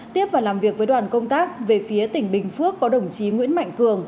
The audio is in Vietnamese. tiếp và làm việc với đoàn công tác về phía tỉnh bình phước có đồng chí nguyễn mạnh cường